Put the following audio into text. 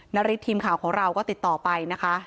นาริสทีมข่าวของเราก็ติดต่อไปนะคะ